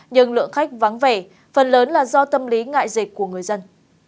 nhưng lượng khách vắng vẻ phần lớn là do tâm lý ngại dịch của người dân